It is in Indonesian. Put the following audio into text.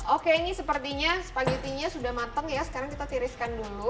oke ini sepertinya spaghetti nya sudah mateng ya sekarang kita tiriskan dulu